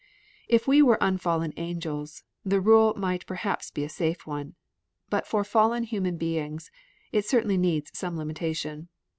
If we were unfallen angels, the rule might perhaps be a safe one. But for fallen human beings, it certainly needs some limitation.